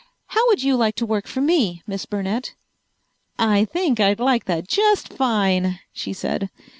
How would you like to work for me, Miss Burnett?" "I think I'd like that just fine," she said.